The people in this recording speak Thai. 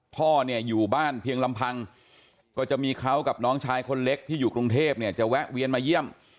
พ่อเนี่ยอยู่บ้านเพียงลำพังก็จะมีเขากับน้องชายคนเล็กที่อยู่กรุงเทพเนี่ยจะแวะเวียนมาเยี่ยม